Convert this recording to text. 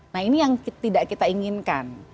nah ini yang tidak kita inginkan